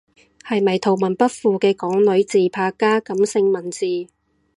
係咪圖文不符嘅港女自拍加感性文字？